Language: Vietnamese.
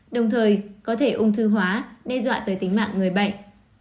đồng thời có thể ung thư hóa đe dọa tới tính mạng người bệnh